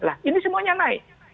lah ini semuanya naik